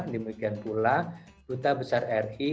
demikian pula duta besar ri